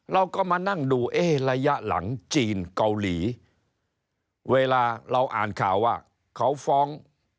เราก็มานั่งดูเอ๊ะระยะหลังจีนเกาหลีเวลาเราอ่านข่าวว่าเขาฟ้อง